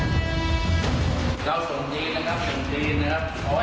ส่วนดีนะครับส่วนดีนะครับเพราะว่าดีเลยนะครับ